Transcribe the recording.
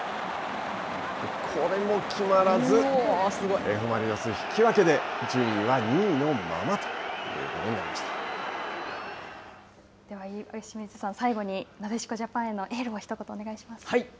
これも決まらずＦ・マリノス、引き分けで、順位は２位のままということに岩清水さん、最後に、なでしこジャパンへのエールをひと言お願いします。